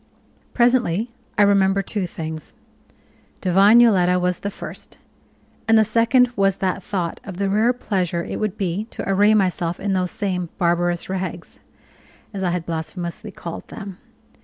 Presently I remembered two things divine Yoletta was the first; and the second was that thought of the rare pleasure it would be to array myself in those same "barbarous rags," as I had blasphemously called them.